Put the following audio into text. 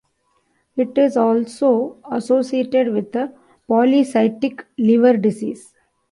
It is also associated with polycystic liver disease.